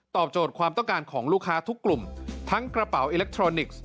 โจทย์ความต้องการของลูกค้าทุกกลุ่มทั้งกระเป๋าอิเล็กทรอนิกส์